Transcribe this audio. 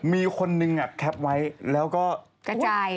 มีคนนึงแคปไว้แล้วก็กระจาย